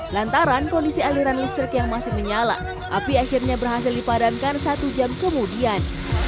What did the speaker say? lantaran kondisi aliran listrik yang masih menyala api akhirnya berhasil dipadamkan satu jam kemudian